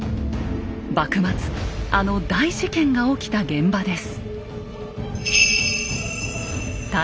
幕末あの大事件が起きた現場です。